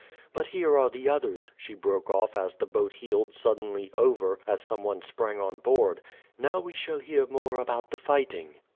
But here are the others," she broke off as the boat heeled suddenly over as some one sprang on board. "Now we shall hear more about the fighting."